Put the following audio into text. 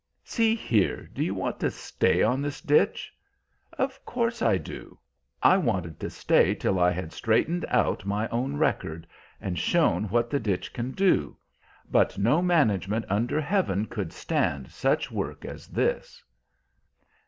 "See here, do you want to stay on this ditch?" "Of course I do. I wanted to stay till I had straightened out my own record, and shown what the ditch can do. But no management under heaven could stand such work as this."